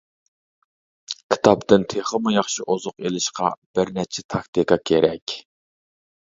كىتابتىن تېخىمۇ ياخشى ئوزۇق ئېلىشقا بىر نەچچە تاكتىكا كېرەك.